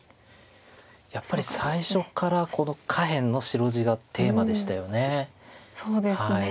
やっぱり最初からこの下辺の白地がテーマでしたよね。